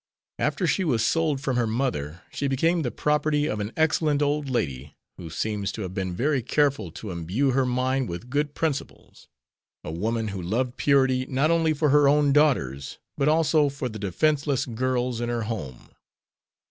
After she was sold from her mother she became the property of an excellent old lady, who seems to have been very careful to imbue her mind with good principles; a woman who loved purity, not only for her own daughters, but also for the defenseless girls in her home.